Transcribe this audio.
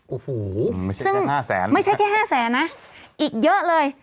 โอ้โฮไม่ใช่แค่๕๐๐๐๐๐บาทนะครับอีกเยอะเลย